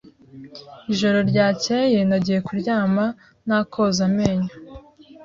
Ijoro ryakeye, nagiye kuryama nta koza amenyo.